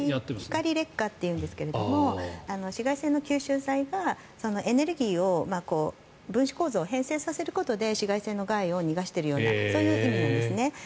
光劣化というんですが紫外線の吸収材がエネルギーを分子構造を変性させることで紫外線の害を逃がしているようなそういう意味なんですね。